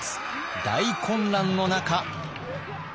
大混乱の中。